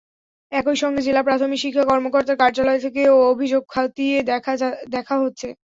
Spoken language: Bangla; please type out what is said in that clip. একই সঙ্গে জেলা প্রাথমিক শিক্ষা কর্মকর্তার কার্যালয় থেকেও অভিযোগ খতিয়ে দেখা হচ্ছে।